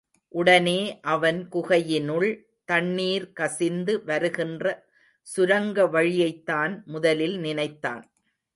உடனே அவன் குகையினுள் தண்ணீர் கசிந்து வருகின்ற சுரங்க வழியைத்தான் முதலில் நினைத்தான்.